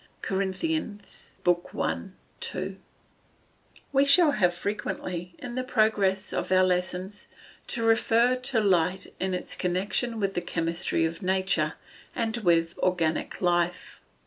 CORINTH. BOOK I., II.] We shall have frequently, in the progress of our lessons, to refer to light in its connection with the chemistry of nature, and with organic life.